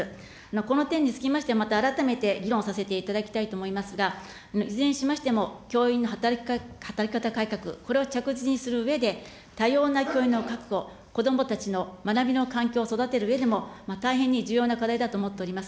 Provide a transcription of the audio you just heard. この点につきまして、また改めて議論させていただきたいと思いますが、いずれにしましても、教員の働き方改革、これを着実にするうえで、多様な教員の確保、こどもたちの学びの環境を育てるうえでも、大変に重要な課題だと思っております。